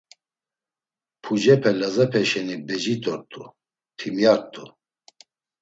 Pucepe Lazepe şeni becit̆ort̆u; timyart̆u.